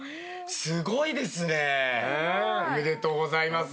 すごいですね。おめでとうございます。